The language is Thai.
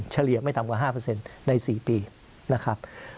เฉลี่ยไม่ต่ำกว่า๕ใน๔ปีนะครับ